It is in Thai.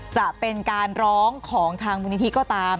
จะเป็นการร้องของทางบุญธีก็ตาม